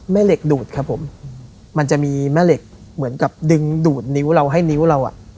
แม่เหล็กดูดครับผมมันจะมีแม่เหล็กเหมือนกับดึงดูดนิ้วเราให้นิ้วเราอ่ะ